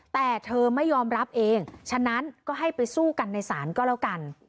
แต่เธอไม่ยอมรับเองฉะนั้นก็ให้ไปสู้กันในศาลก็แล้วกัน